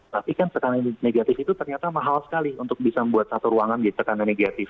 tapi kan tekanan negatif itu ternyata mahal sekali untuk bisa membuat satu ruangan di tekanan negatif